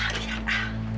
ah lihat ah